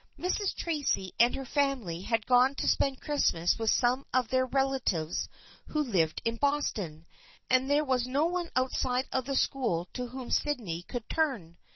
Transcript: Mrs. Tracy and her family had gone to spend Christmas with some of their relatives who lived in Boston, and there was no one outside of the school to whom Sydney could turn.